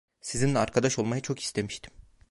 Sizinle arkadaş olmayı çok istemiştim…